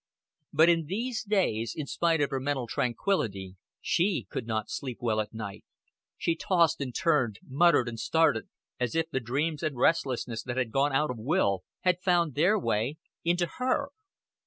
But in these days, in spite of her mental tranquillity, she could not sleep well at night; she tossed and turned, muttered and started, as if the dreams and restlessness that had gone out of Will had found their way into her.